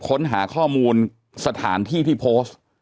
ค้นหาข้อมูลสถานที่ที่โพสต์